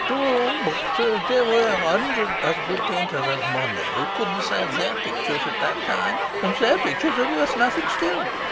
"True. But there were a hundred as good painters as Monet who couldn't sell their pictures at that time, and their pictures are worth nothing still.